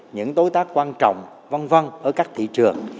những đối tác quan trọng văn văn ở các thị trường